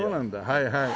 はいはい。